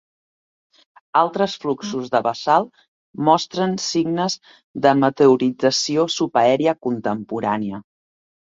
Altres fluxos de basalt mostren signes de meteorització subaèria contemporània.